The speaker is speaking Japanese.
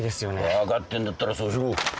分かってんだったらそうしろ。